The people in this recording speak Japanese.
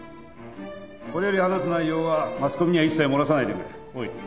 これより話す内容はマスコミには一切もらさないでくれ。